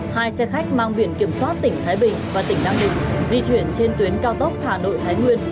hai xe khách mang biển kiểm soát tỉnh thái bình và tỉnh nam định di chuyển trên tuyến cao tốc hà nội thái nguyên